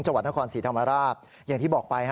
จนครศรีธรรมดาอย่างที่บอกไป